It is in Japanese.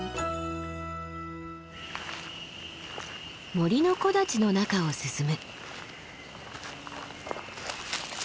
森の木立の中を進む。